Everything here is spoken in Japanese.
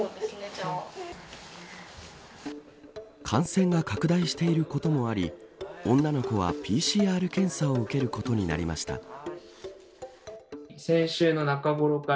感染が拡大していることもあり女の子はＰＣＲ検査を受けることになりました。